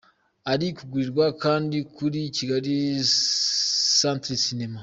Ari kugurirwa kandi kuri Kigali Century Cinema.